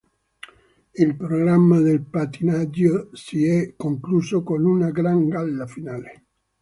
Il programma del pattinaggio si è concluso con un gran galà finale.